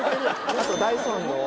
あとダイソンの。